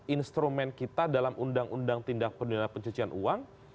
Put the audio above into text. instrumen kita dalam undang undang tindak pidana pencucian uang